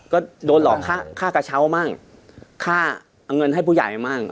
ก็โดนหลอกค่ากระเชาะมากค่าเงินให้ผู้ใหญ่มาก